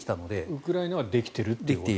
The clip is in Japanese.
ウクライナはできていると。